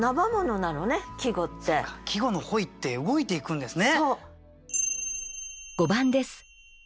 季語の本意って動いていくんですね。